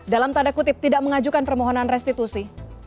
dalam tanda kutip tidak mengajukan permohonan restitusi